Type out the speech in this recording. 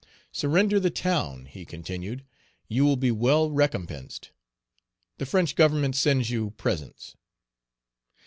"Surrender the town," he continued; "you will be well recompensed; the French Government sends you presents."